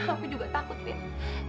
aku juga takut win